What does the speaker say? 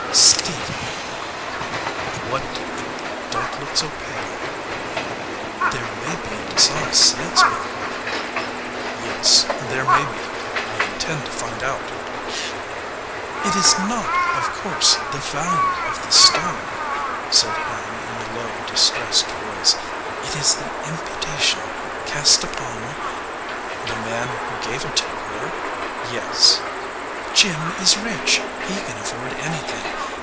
"Stephen." "What, dear? Don t look so pale." "There may be a dishonest salesman." "Yes, there may be. I intend to find out." "It is not, of course, the value of the stone," said Ann in a low, distressed voice. "It is the im putation cast upon " "The man who gave it to her? Yes." "Jim is rich. He can afford anything.